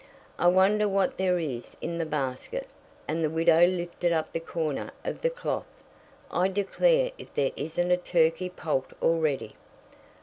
"I wonder what there is in the basket." And the widow lifted up the corner of the cloth. "I declare if there isn't a turkey poult already."